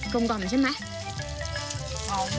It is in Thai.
กลมกล่อมนี่ใช่ไหม